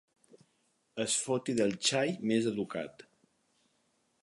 Es foti del xai més educat.